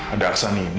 ada arsani ini